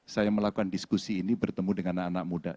saya melakukan diskusi ini bertemu dengan anak anak muda